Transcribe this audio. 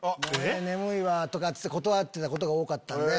眠いわ！とかって断ってたことが多かったんで。